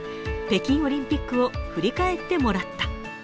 北京オリンピックを振り返ってもらった。